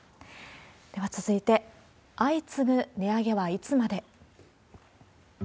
では続いて、相次ぐ値上げはいつまで？